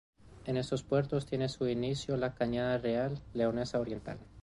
En estos puertos tiene su inicio la Cañada Real Leonesa Oriental.